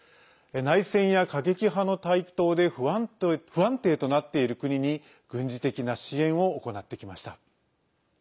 内戦や過激派の台頭で不安定となっている国に軍事的な支援を行ってきました。